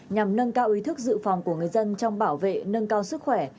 nhằm nâng cao ý thức dự phòng của người dân trong bảo vệ nâng cao sức khỏe